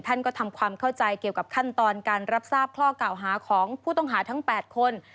ท่านก็ทำความเข้าใจเกี่ยวกับขั้นตอนการรับทราบข้อเก่าหาของผู้ต้องหาทั้ง๘คน